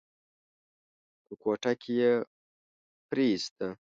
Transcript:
په کوټه کې يې پريېسته.